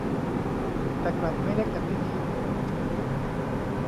แต่กลับไม่เล็กอย่างที่คิด